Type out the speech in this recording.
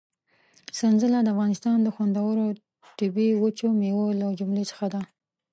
سنځله د افغانستان د خوندورو او طبي وچو مېوو له جملې څخه ده.